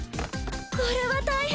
これは大変！